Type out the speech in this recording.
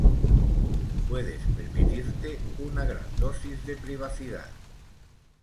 puedes permitirte una gran dosis de privacidad